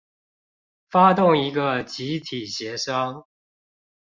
發動一個集體協商